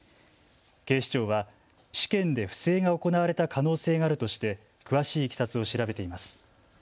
警視庁は試験で不正が行われた可能性があるとして詳しいいきさつを調べています。